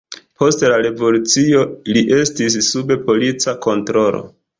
Post la Revolucio li estis sub polica kontrolo.